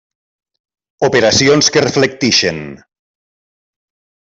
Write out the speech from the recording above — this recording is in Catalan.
Operacions que reflectixen.